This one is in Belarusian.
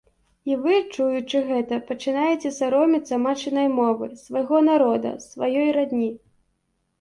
І вы, чуючы гэта, пачынаеце саромецца матчынай мовы, свайго народа, сваёй радні.